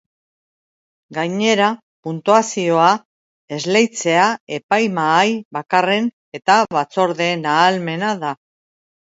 Gainera, puntuazioa esleitzea epaimahai bakarren eta batzordeen ahalmena da.